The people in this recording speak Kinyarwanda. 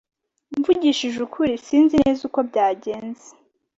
Mvugishije ukuri, sinzi neza uko byagenze.